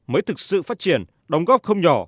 mới thực sự phát triển đồng góp không nhỏ